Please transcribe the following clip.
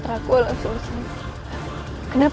aku akan menang